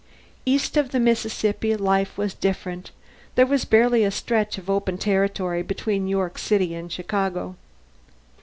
East of the Mississippi, life was different; there was barely a stretch of open territory between York City and Chicago.